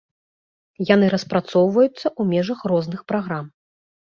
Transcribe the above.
Яны распрацоўваюцца ў межах розных праграм.